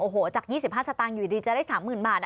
โอ้โหจาก๒๕สตางค์อยู่ดีจะได้๓๐๐๐บาท